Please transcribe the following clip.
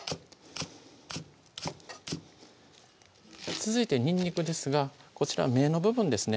続いてにんにくですがこちら芽の部分ですね